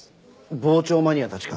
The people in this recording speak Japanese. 傍聴マニアたちか。